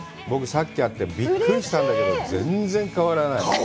僕、さっき会ってびっくりしたんだけど全然変わらない。